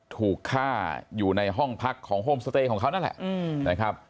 ถูกฆ่าอยู่ในห้องพักของโฮมสเตย์ของเขานั่นแหละนะครับ